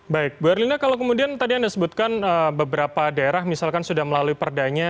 baik bu erlina kalau kemudian tadi anda sebutkan beberapa daerah misalkan sudah melalui perdanya